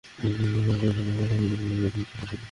আদালতে সেই সিদ্ধান্ত হবে।